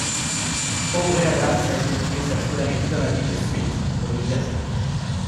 Aubrey Adams a effectué sa scolarité dans la ville de Summit au New Jersey.